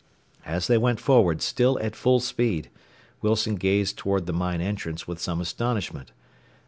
As they went forward, still at full speed, Wilson gazed toward the mine entrance with some astonishment.